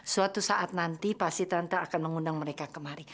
suatu saat nanti pasti tante akan mengundang mereka kemari